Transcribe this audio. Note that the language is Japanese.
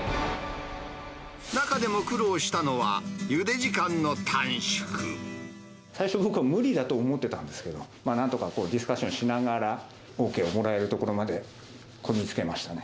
中でも苦労したのは、最初、僕は無理だと思ってたんですけど、なんとかディスカッションしながら、ＯＫをもらえるところまでこぎ着けましたね。